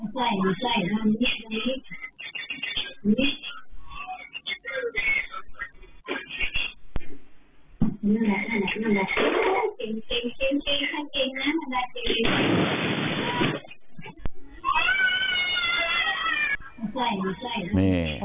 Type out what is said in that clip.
กระจกอร้าย